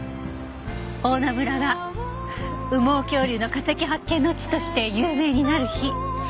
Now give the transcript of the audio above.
大菜村が羽毛恐竜の化石発見の地として有名になる日。